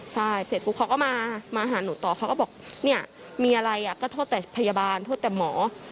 ใช่เสร็จปุ๊บเขาก็มาหาหนูต่อเขาก็บอกเนี่ยมีอะไรก็โทษแต่พยาบาลโทษแต่หมอ